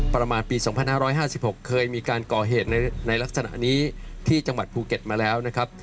ประมาณปี๒๕๕๖เคยมีการก่อเหตุในลักษณะนี้ที่จังหวัดภูเก็ตมาแล้วนะครับ